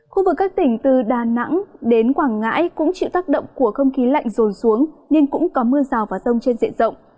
khu vực các tỉnh từ đà nẵng đến quảng ngãi cũng chịu tác động của không khí lạnh rồn xuống nhưng cũng có mưa rào và rông trên diện rộng